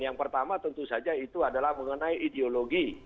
yang pertama tentu saja itu adalah mengenai ideologi